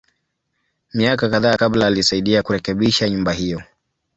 Miaka kadhaa kabla, alisaidia kurekebisha nyumba hiyo.